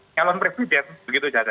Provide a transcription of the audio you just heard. nyalon previden begitu saja